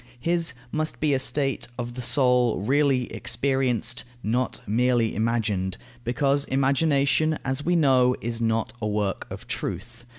His must be a state of the soul really experienced, not merely imagined, because imagination, as we know, is not a work of truth.